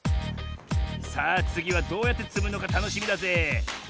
さあつぎはどうやってつむのかたのしみだぜ。